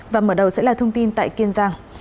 và mở đầu sẽ là thông tin tại kiên giang